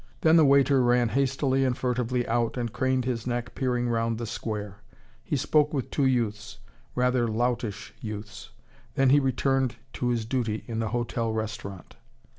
Then the waiter ran hastily and furtively out and craned his neck, peering round the square. He spoke with two youths rather loutish youths. Then he returned to his duty in the hotel restaurant.